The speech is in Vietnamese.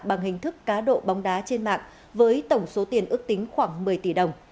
bằng hình thức cá độ bóng đá trên mạng với tổng số tiền ước tính khoảng một mươi tỷ đồng